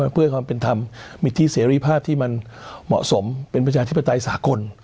เพื่อให้ความเป็นธรรมมิทธิเสรีภาพที่มันเหมาะสมเป็นประชาธิปไตยสากล